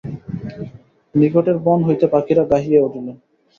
নিকটের বন হইতে পাখীরা গাহিয়া উঠিল।